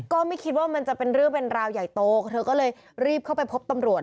ก็ไม่คิดว่ามันจะเป็นเรื่องเป็นราวใหญ่โตเธอก็เลยรีบเข้าไปพบตำรวจ